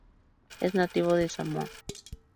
Es nativo de Samoa.